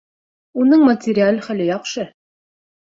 Уның материаль хәле яҡшы